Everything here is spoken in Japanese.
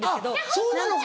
そうなのか。